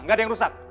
gak ada yang rusak